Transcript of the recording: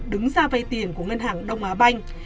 đứng ra vay tiền của ngân hàng đông á banh